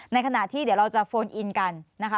ในขณะที่เดี๋ยวเราจะโฟนอินกันนะคะ